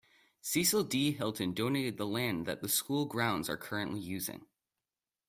Cecil D. Hylton donated the land that the school grounds are currently using.